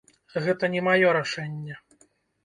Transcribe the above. Гэта не маё рашэнне.